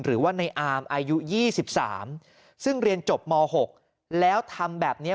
หรือว่าในอามอายุ๒๓ซึ่งเรียนจบม๖แล้วทำแบบนี้